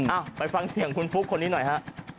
อ่ะไปฟังเสียงคุณฟุ๊กคนนี้หน่อยฮะ